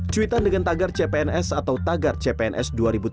cuitan dengan tagar cpns atau tagar cpns dua ribu tujuh belas